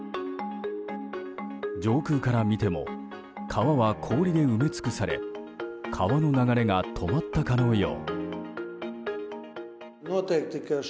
上空から見ても川は氷で埋め尽くされ川の流れが止まったかのよう。